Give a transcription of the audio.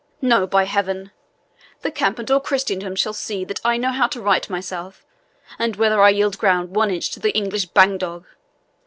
No, by Heaven! The camp and all Christendom shall see that I know how to right myself, and whether I yield ground one inch to the English bandog.